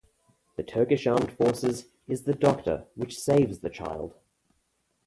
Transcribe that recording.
The Turkish Armed Forces is the doctor which saves the child.